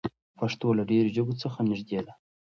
پښتو له ډېرو ژبو څخه نږدې ده.